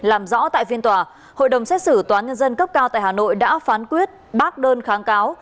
làm rõ tại phiên tòa hội đồng xét xử tòa nhân dân cấp cao tại hà nội đã phán quyết bác đơn kháng cáo